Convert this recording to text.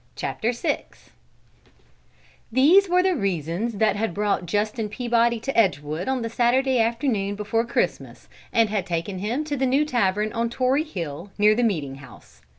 CHAPTER VI These were the reasons that had brought Justin Peabody to Edgewood on the Saturday afternoon before Christmas, and had taken him to the new tavern on Tory Hill, near the Meeting House.